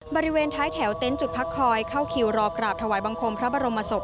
บริเวณท้ายแถวเต็นต์จุดพักคอยเข้าคิวรอกราบถวายบังคมพระบรมศพ